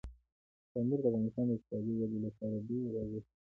پامیر د افغانستان د اقتصادي ودې لپاره ډېر ارزښت لري.